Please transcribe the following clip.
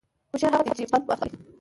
هوشیار هغه دی چې پند واخلي